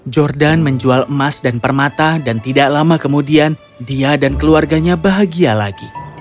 jordan menjual emas dan permata dan tidak lama kemudian dia dan keluarganya bahagia lagi